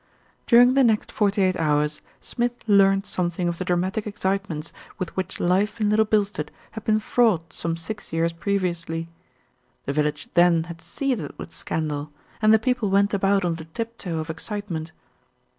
During the next forty eight hours Smith learned something of the dramatic excitements with which life in Little Bilstead had been fraught some six years pre viously. The village then had seethed with scandal, and the people went about on the tiptoe of excitement.